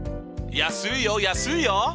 安いよ安いよ。